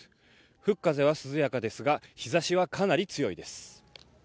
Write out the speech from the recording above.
吹く風は涼やかですが、日ざしはかなり強いです。